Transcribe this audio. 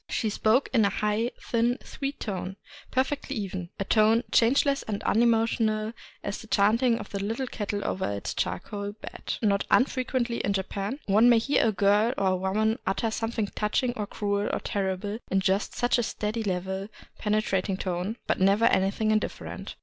She spoke in a high thin sweet tone, perfectly even, — a tone changeless and unemotional as the chanting of the little ket tle over its charcoal bed. Not unfrequently in Japan one may hear a girl or a woman utter something touching or cruel or terrible in just such a steady, level, penetrating tone, but never anything indifferent.